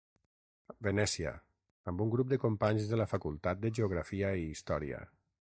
Venècia, amb un grup de companys de la facultat de geografia i història.